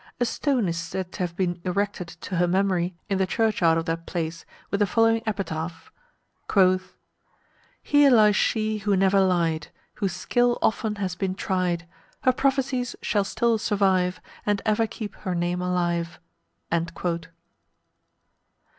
A stone is said to have been erected to her memory in the churchyard of that place, with the following epitaph: "Here lies she who never lied, Whose skill often has been tried: Her prophecies shall still survive, And ever keep her name alive."